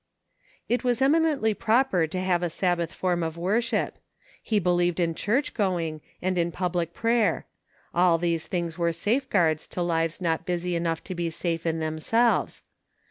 It was eminently proper to have a Sabbath form of worship. He believed in church going and in public prayer. All these things were safeguards to lives not busy enough to be safe in themselves.